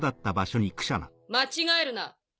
間違えるな。